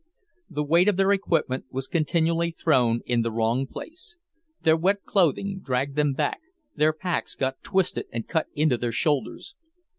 The weight of their equipment was continually thrown in the wrong place. Their wet clothing dragged them back, their packs got twisted and cut into their shoulders.